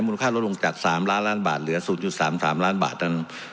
ค่าลดลงจาก๓ล้านล้านบาทเหลือ๐๓๓ล้านบาทนั้น